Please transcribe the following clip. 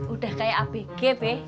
udah kayak abg be